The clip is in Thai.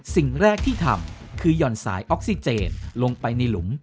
สิ่งแรกที่ทำคือหย่อนสายออกซิเจนลงไปในหลุม